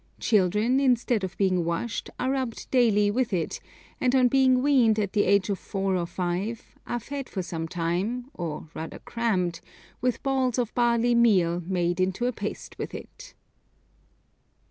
Children, instead of being washed, are rubbed daily with it, and on being weaned at the age of four or five, are fed for some time, or rather crammed, with balls of barley meal made into a paste with it.